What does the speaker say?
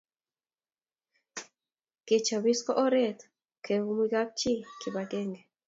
Kechopis ko oret keiumi kapchi kipakenge